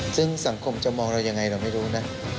ซึ่งสังคมจะมองเรายังไงเราไม่รู้นะ